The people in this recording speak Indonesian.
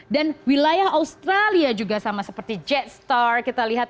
dan wilayah australia juga sama seperti jetstar kita lihat